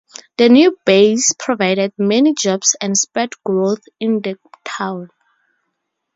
The new base provided many jobs and spurred growth in the town.